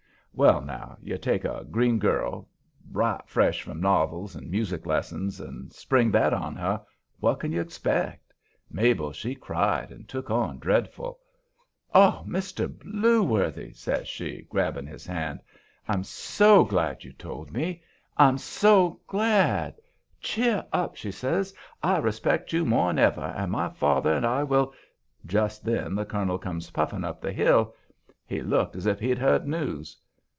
Well, now, you take a green girl, right fresh from novels and music lessons, and spring that on her what can you expect? Mabel, she cried and took on dreadful. "Oh, Mr. Blueworthy!" says she, grabbing his hand. "I'm SO glad you told me. I'm SO glad! Cheer up," she says. "I respect you more than ever, and my father and I will " Just then the colonel comes puffing up the hill. He looked as if he'd heard news.